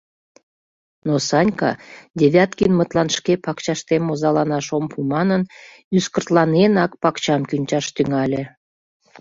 Но Санька Девяткинмытлан шке пакчаштем озаланаш ом пу манын, ӱскыртланенак пакчам кӱнчаш тӱҥале.